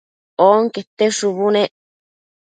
onquete shubu nec